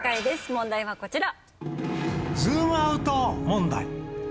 問題はこちら。